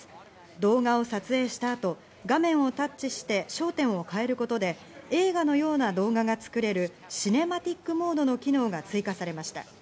動画を撮影した後、画面をタッチして焦点を変えることで映画のような動画が作れるシネマティックモードの機能が追加されました。